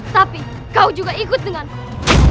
tapi kau juga ikut dengan aku